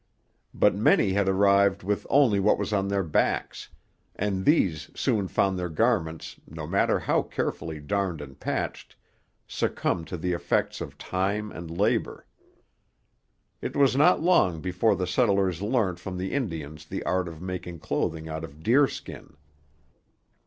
But many had arrived with only what was on their backs; and these soon found their garments, no matter how carefully darned and patched, succumb to the effects of time and labour. It was not long before the settlers learnt from the Indians the art of making clothing out of deer skin.